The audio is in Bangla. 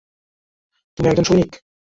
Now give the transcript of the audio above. তুমি একজন সৈনিক?